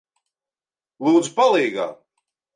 Lūdzu, palīgā!